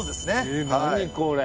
え何これ。